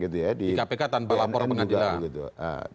di kpk tanpa lapor pengadilan